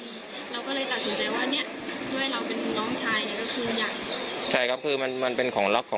เราก็เลยตัดสินใจว่าเนี่ยด้วยเราเป็นน้องชายก็คือยัก